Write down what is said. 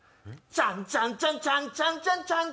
ちゃんちゃんちゃんちゃんちゃん。